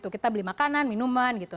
kita beli makanan minuman gitu